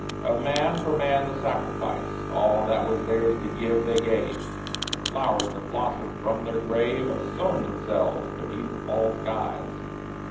Of man for man the sacrifice, All that was theirs to give, they gave. The flowers that blossomed from their grave Have sown themselves beneath all skies.